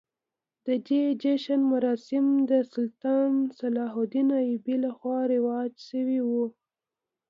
د دې جشن مراسم د سلطان صلاح الدین ایوبي لخوا رواج شوي وو.